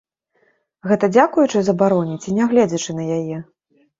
Гэта дзякуючы забароне ці нягледзячы на яе?